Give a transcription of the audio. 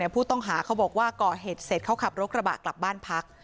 ผู้ต้องหาเขาบอกว่าก่อเหตุเสร็จเขาขับรถกระบะกลับบ้านพัก